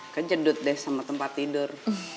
kejedut deh sama tempat tidur